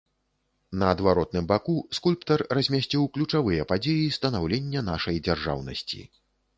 На адваротным баку скульптар размясціў ключавыя падзеі станаўлення нашай дзяржаўнасці.